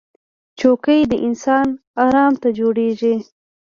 چوکۍ د انسان ارام ته جوړېږي